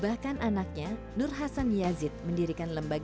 bahkan anaknya nur hasan yazid mendirikan lembaga